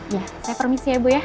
iya saya permisi ya ibu ya